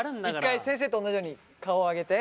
一回先生と同じように顔上げて。